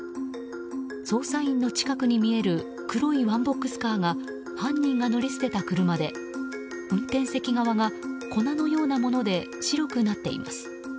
捜査員の近くに見える黒いワンボックスカーが犯人が乗り捨てた車で運転席側が、粉のようなもので白くなっています。